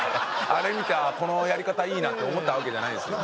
あれ見てああこのやり方いいなって思ったわけじゃないですよ。